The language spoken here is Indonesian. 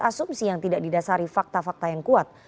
asumsi yang tidak didasari fakta fakta yang kuat